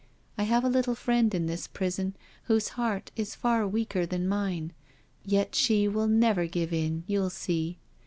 I have a little friend in this prison whose heart is far weaker than mine — yet she will never give in, you'll see.